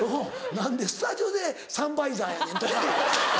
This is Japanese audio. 何でスタジオでサンバイザーやねんとか。